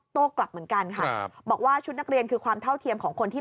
กลับเหมือนกันค่ะบอกว่าชุดนักเรียนคือความเท่าเทียมของคนที่